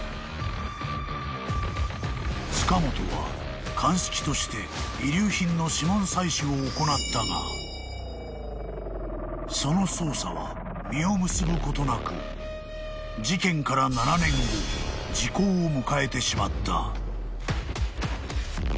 ［塚本は鑑識として遺留品の指紋採取を行ったがその捜査は実を結ぶことなく事件から７年後時効を迎えてしまった］